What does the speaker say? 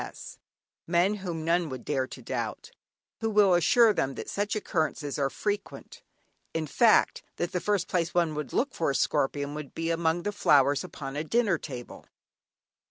C. S., (men whom none would dare to doubt), who will assure them that such occurrences are frequent; in fact that the first place one would look for a scorpion would be among the flowers upon a dinner table!